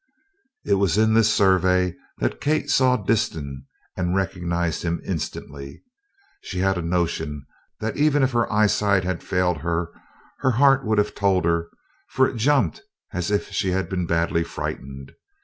It was in this survey that Kate saw Disston and recognized him instantly. She had a notion that even if her eyesight had failed her, her heart would have told her, for it jumped as if she had been badly frightened.